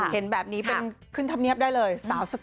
เห็นแบบนี้เป็นขึ้นธรรมเนียบได้เลย